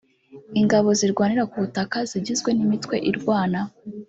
Ingabo zirwanira ku butaka zigizwe n’imitwe irwana